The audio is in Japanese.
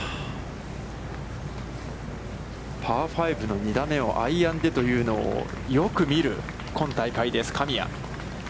パー５の２打目をアイアンでというのをよく見る今大会です、神谷。